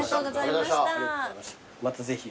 またぜひ。